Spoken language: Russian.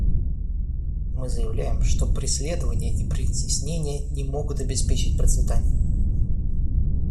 Мы заявляем, что преследование и притеснение не могут обеспечить процветание.